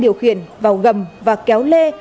điều khiển vào gầm và kéo lê